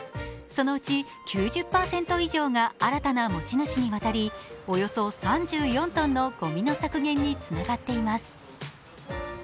そのうち９０％以上が新たな持ち主に渡りおよそ３４トンのごみの削減につながっています。